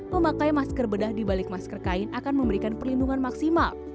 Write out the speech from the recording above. memakai masker bedah di balik masker kain akan memberikan perlindungan maksimal